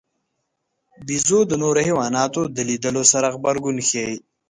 بیزو د نورو حیواناتو د لیدلو سره غبرګون ښيي.